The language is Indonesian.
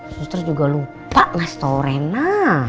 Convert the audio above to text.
suster juga lupa mas torena